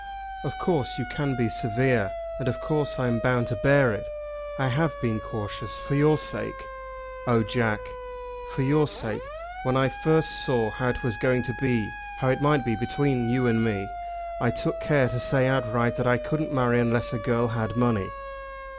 "Of course you can be severe, and of course I am bound to bear it. I have been cautious, for your sake!" "Oh, Jack!" "For your sake. When I first saw how it was going to be, how it might be between you and me, I took care to say outright that I couldn't marry unless a girl had money."